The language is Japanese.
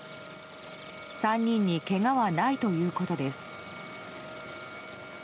３人にけがはないということです。